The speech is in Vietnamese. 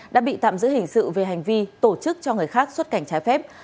đã bị tạm giữ hình sự về hành vi tổ chức cho người khác xuất cảnh trái phép